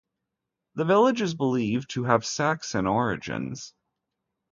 The village is believed to have Saxon origins.